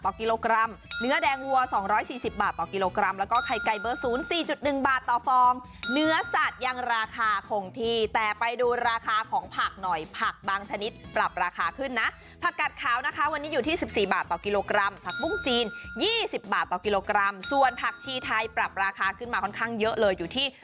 กิโลกรัมเนื้อแดงวัว๒๔๐บาทต่อกิโลกรัมแล้วก็ไข่ไก่เบอร์๐๔๑บาทต่อฟองเนื้อสัตว์ยังราคาคงที่แต่ไปดูราคาของผักหน่อยผักบางชนิดปรับราคาขึ้นนะผักกัดขาวนะคะวันนี้อยู่ที่๑๔บาทต่อกิโลกรัมผักบุ้งจีน๒๐บาทต่อกิโลกรัมส่วนผักชีไทยปรับราคาขึ้นมาค่อนข้างเยอะเลยอยู่ที่